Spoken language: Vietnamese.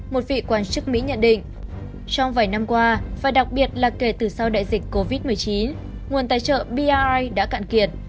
một vị quan chức mỹ nhận định trong vài năm qua và đặc biệt là kể từ sau đại dịch covid một mươi chín nguồn tài trợ birai đã cạn kiệt